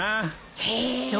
へえ。